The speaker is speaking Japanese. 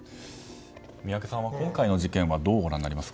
宮家さんは今回の事件はどうご覧になりますか？